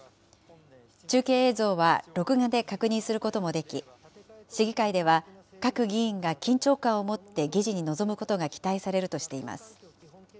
中継映像は録画で確認することもでき、市議会では、各議員が緊張感を持って、議事に臨むことが期待されるとしています。